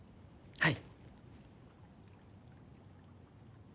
はい。